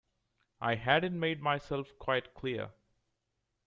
I hadn't made myself quite clear.